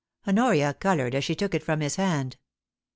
Honoria coloured as she took it from his hand.